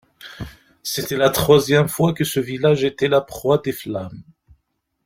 C'était la troisième fois que ce village était la proie des flammes.